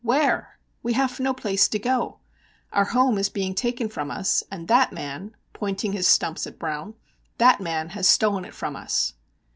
Where? We haf no place to go. Our home is being taken from us, und that man [pointing his stumps at Browne] that man has stolen it from us!"